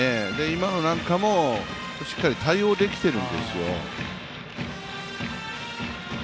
今のなんかもしっかり対応できてるんですよ。